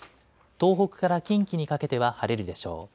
東北から近畿にかけては晴れるでしょう。